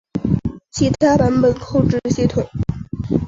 其他版本控制系统